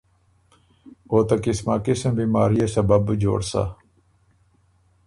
او ته قسماقِسُم بیماريې سبب بُو جوړ سۀ۔